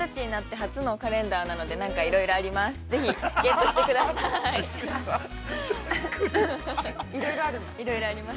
初のカレンダーなので、いろんな思いがあります。